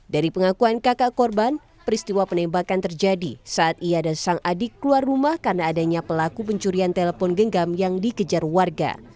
dari pengakuan kakak korban peristiwa penembakan terjadi saat ia dan sang adik keluar rumah karena adanya pelaku pencurian telepon genggam yang dikejar warga